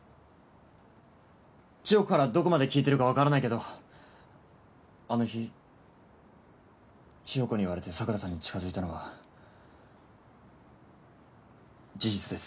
千代子からどこまで聞いてるか分からないけどあの日千代子に言われて桜さんに近づいたのは事実です。